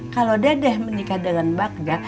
kalau dede menikah dengan bagja